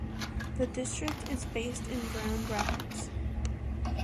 The district is based in Grand Rapids.